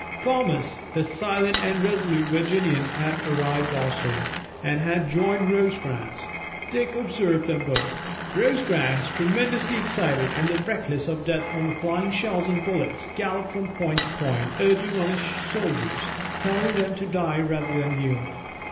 Thomas, the silent and resolute Virginian, had arrived also, and had joined Rosecrans. Dick observed them both. Rosecrans, tremendously excited, and reckless of death from the flying shells and bullets, galloped from point to point, urging on his soldiers, telling them to die rather than yield.